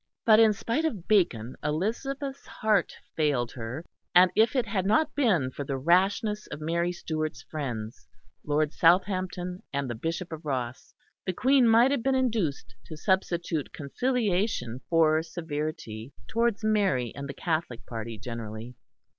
But in spite of Bacon Elizabeth's heart failed her, and if it had not been for the rashness of Mary Stuart's friends, Lord Southampton and the Bishop of Ross, the Queen might have been induced to substitute conciliation for severity towards Mary and the Catholic party generally.